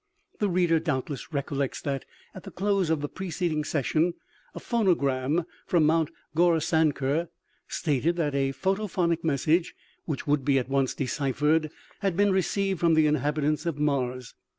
The reader doubtless recollects that, at the close of the preceding session, a phonogram from Mt. Gaurisan kar stated that a photophonic message, which would be at once deciphered, had been received from the inhabitants of Mars.